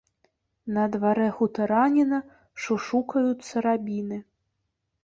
На дварэ хутараніна шушукаюцца рабіны.